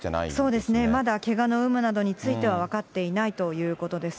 そうですね、まだけがの有無などについては分かっていないということです。